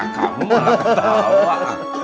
kamu mah ketawa